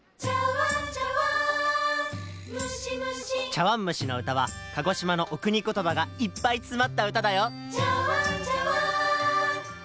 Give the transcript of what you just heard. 「ちゃわんむしのうた」は鹿児島のおくにことばがいっぱいつまったうただよ！